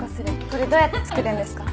これどうやって作るんですか？